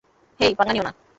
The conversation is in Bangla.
হেই, পাঙ্গা নিও না!